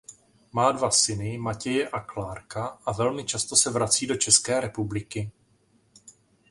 Má dva syny Matěje a Clarka a velmi často se vrací do České republiky.